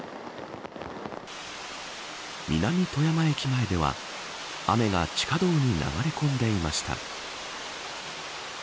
南富山駅前では雨が地下道に流れ込んでいました。